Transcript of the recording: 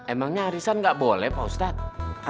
emangnya arisan gak boleh pak ustadz